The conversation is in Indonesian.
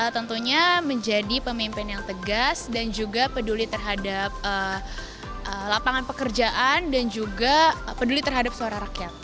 tentunya menjadi pemimpin yang tegas dan juga peduli terhadap lapangan pekerjaan dan juga peduli terhadap suara rakyat